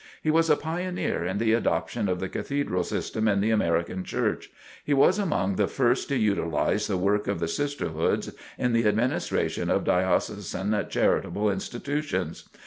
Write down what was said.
He was a pioneer in the adoption of the Cathedral system in the American Church. He was among the first to utilize the work of the Sisterhoods in the administration of Diocesan charitable institutions.